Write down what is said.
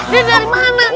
lihat dari mana